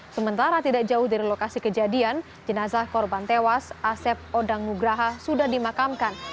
sementara tidak jauh dari lokasi kejadian jenazah korban tewas asep odang nugraha sudah dimakamkan